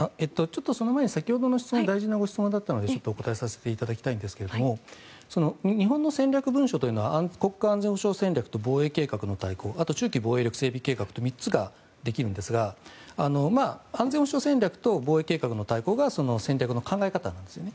ちょっとその前に先ほどの質問が大事な質問だったのでちょっとお答えさせていただきたいんですが日本の戦略文書というのは国家安全保障戦力と防衛計画の大綱、あと中期防衛力整備計画の３つができるんですが安全保障戦略と防衛戦略というのが大事だったんです。